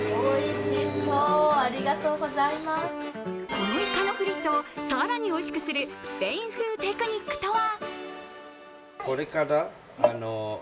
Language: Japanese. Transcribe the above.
このイカのフリットを更においしくするスペイン風テクニックとは？